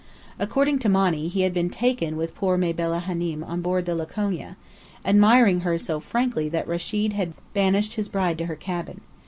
According to Monny, he had been "taken" with poor Mabella Hânem on board the Laconia admiring her so frankly that Rechid had banished his bride to her cabin.